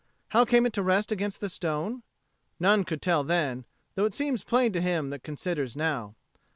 How came it to rest against the stone? None could tell then, though it seems plain to him that considers now.